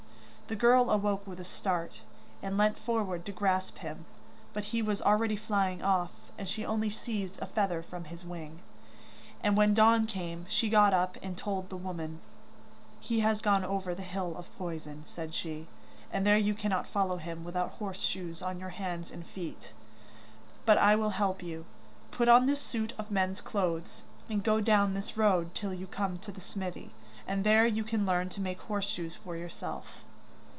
The girl awoke with a start, and leant forward to grasp him, but he was already flying off, and she only seized a feather from his wing. And when dawn came, she got up and told the woman. 'He has gone over the hill of poison,' said she, 'and there you cannot follow him without horse shoes on your hands and feet. But I will help you. Put on this suit of men's clothes, and go down this road till you come to the smithy, and there you can learn to make horse shoes for yourself.